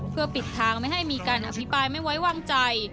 เพื่อปิดทางไม่ให้มีการอภิปรายไม่ไว้วางใจ